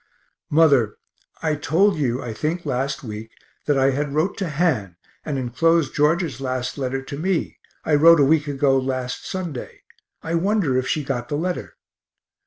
Mother, I told you, I think last week, that I had wrote to Han, and enclosed George's last letter to me I wrote a week ago last Sunday I wonder if she got the letter.